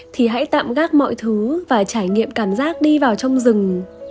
thì hãy tạm gác mọi thứ và trải nghiệm cảm giác đi vào trong rừng